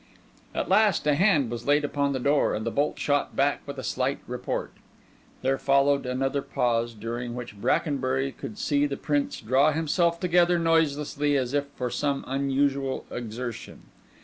At last a hand was laid upon the door, and the bolt shot back with a slight report. There followed another pause, during which Brackenbury could see the Prince draw himself together noiselessly as if for some unusual exertion.